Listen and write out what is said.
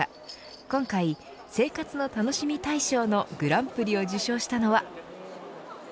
今回、生活のたのしみ大賞のグランプリを受賞したのは。